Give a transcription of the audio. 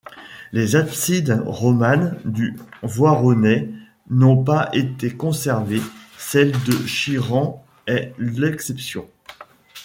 Les absides romanes du Voironnais n’ont pas été conservées, celle de Chirens est l’exception.